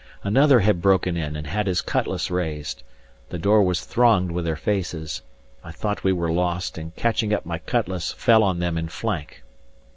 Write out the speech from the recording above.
Another had broken in and had his cutlass raised. The door was thronged with their faces. I thought we were lost, and catching up my cutlass, fell on them in flank.